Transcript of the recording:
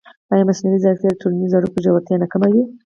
ایا مصنوعي ځیرکتیا د ټولنیزو اړیکو ژورتیا نه کموي؟